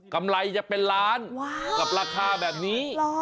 กำไรจะเป็นล้านกับราคาแบบนี้